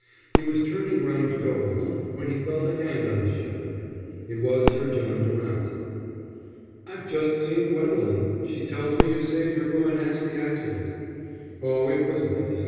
He was turning round to go home when he felt a hand on his shoulder. It was Sir John Durant. "I've just seen Gwendolen. She tells me you saved her from a nasty accident." "Oh, it was nothing.